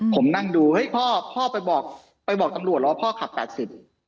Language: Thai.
ผมนั่งดูเฮ้ยพ่อพ่อไปบอกไปบอกตำรวจเหรอว่าพ่อขับแปดสิบ